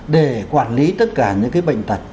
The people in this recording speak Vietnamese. để quản lý tất cả những cái bệnh tật